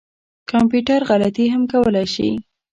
کمپیوټر غلطي هم کولای شي